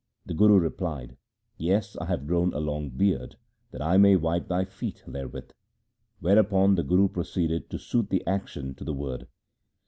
The Guru replied, ' Yes, I have grown a long beard that I may wipe thy feet therewith '; whereupon the Guru proceeded to suit the action to the word.